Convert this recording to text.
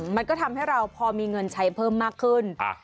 มันก็ทำให้เราพอมีเงินใช้เพิ่มมากขึ้น